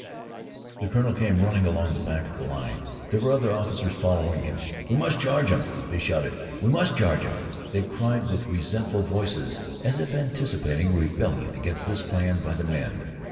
The colonel came running along back of the line. There were other officers following him. "We must charge'm!" they shouted. "We must charge'm!" they cried with resentful voices, as if anticipating a rebellion against this plan by the men.